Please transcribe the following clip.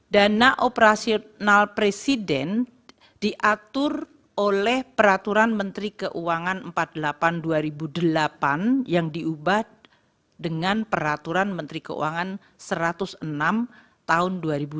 dana operasional presiden diatur oleh peraturan menteri keuangan empat puluh delapan dua ribu delapan yang diubah dengan peraturan menteri keuangan satu ratus enam tahun dua ribu dua puluh